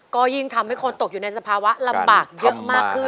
ก็ยิ่งทำให้คนตกอยู่ในสภาวะลำบากเยอะมากขึ้น